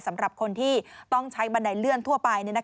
สำหรับคนที่ต้องใช้บันไดเลื่อนทั่วไป